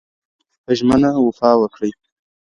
په ژمنه وفا وکړئ.